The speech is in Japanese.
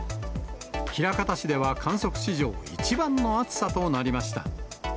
枚方市では観測史上１番の暑さとなりました。